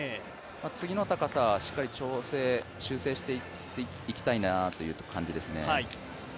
次の高さ、しっかり修正していきたいなという感じです。